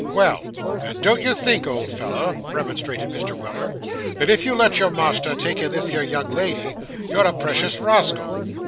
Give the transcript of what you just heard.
'Well, and don't you think, old feller,' remonstrated Mr. Weller, 'that if you let your master take in this here young lady, you're a precious rascal?